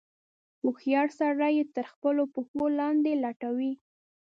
هوښیار سړی یې تر خپلو پښو لاندې لټوي.